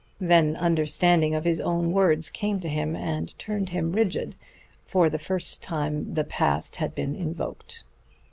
Then understanding of his own words came to him, and turned him rigid. For the first time the past had been invoked.